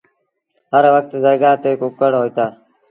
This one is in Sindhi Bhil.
هر وکت درگآه تي ڪُڪڙهوئيٚتآ۔